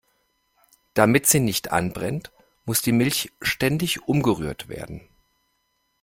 Damit sie nicht anbrennt, muss die Milch ständig umgerührt werden.